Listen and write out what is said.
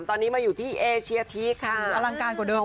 ตอนนี้มาอยู่ที่เอเชียทีกค่ะอลังการกว่าเดิม